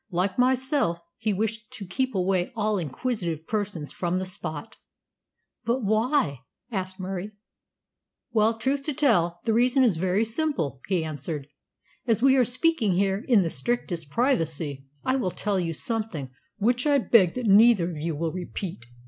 "Like myself, he wished to keep away all inquisitive persons from the spot." "But why?" asked Murie. "Well, truth to tell, the reason is very simple," he answered. "As we are speaking here in the strictest privacy, I will tell you something which I beg that neither of you will repeat.